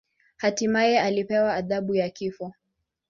Hatimaye alipewa adhabu ya kifo.